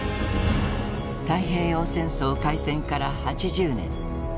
太平洋戦争開戦から８０年。